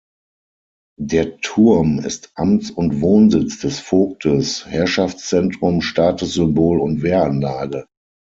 Der Turm ist Amts- und Wohnsitz des Vogtes, Herrschaftszentrum, Statussymbol und Wehranlage.